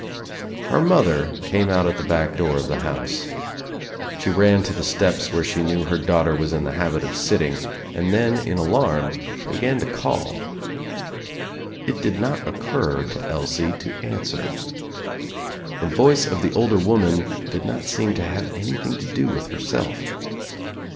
Her mother came out at the back door of the house. She ran to the steps where she knew her daughter was in the habit of sitting and then in alarm began to call. It did not occur to Elsie to answer. The voice of the older woman did not seem to have anything to do with herself.